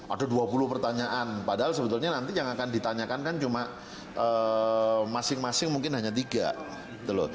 ada dua puluh pertanyaan padahal sebetulnya nanti yang akan ditanyakan kan cuma masing masing mungkin hanya tiga gitu loh